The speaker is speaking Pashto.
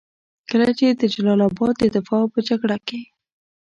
کله چې د جلال اباد د دفاع په جګړه کې.